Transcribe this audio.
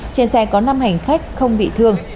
trên xe có năm hành khách không bị thương